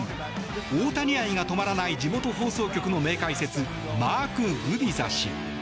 大谷愛が止まらない地元放送局の名解説マーク・グビザ氏。